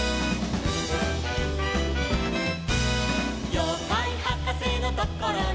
「ようかいはかせのところに」